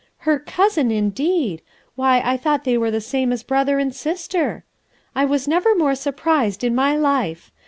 Her cousin, indeed I why I thought they were the same as brother and sister. I was never more surprised in my life.